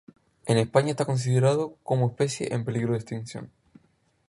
En España está considerado como especie en peligro de extinción.